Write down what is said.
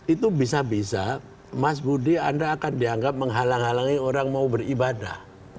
itu bisa bisa mas budi anda akan dianggap menghalang halangi orang mau beribadah